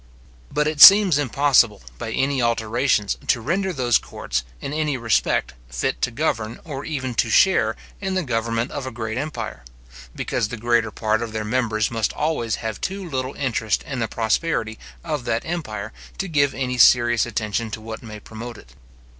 But it seems impossible, by any alterations, to render those courts, in any respect, fit to govern, or even to share in the government of a great empire; because the greater part of their members must always have too little interest in the prosperity of that empire, to give any serious attention to what may promote it.